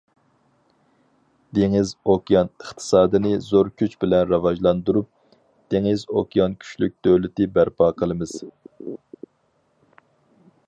دېڭىز- ئوكيان ئىقتىسادىنى زور كۈچ بىلەن راۋاجلاندۇرۇپ، دېڭىز- ئوكيان كۈچلۈك دۆلىتى بەرپا قىلىمىز.